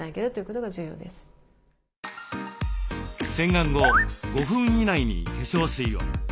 洗顔後５分以内に化粧水を。